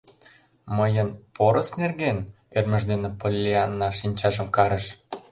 — Мыйын... порыс нерген? — ӧрмыж дене Поллианна шинчажым карыш.